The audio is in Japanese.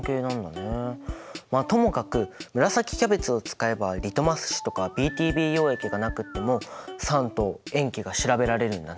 まあともかく紫キャベツを使えばリトマス紙とかＢＴＢ溶液がなくっても酸と塩基が調べられるんだね。